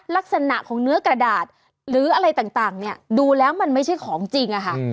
ลักษณะของเนื้อกระดาษหรืออะไรต่างเนี่ยดูแล้วมันไม่ใช่ของจริงอะค่ะ